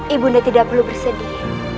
ibunda tidak perlu bersedih